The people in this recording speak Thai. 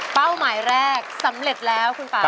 หมายแรกสำเร็จแล้วคุณป่า